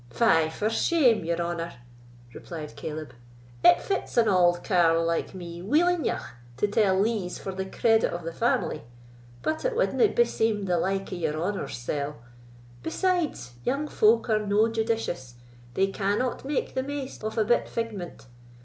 "Fie for shame, your honour!" replied Caleb; "it fits an auld carle like me weel eneugh to tell lees for the credit of the family, but it wanda beseem the like o' your honour's sell; besides, young folk are no judicious: they cannot make the maist of a bit figment.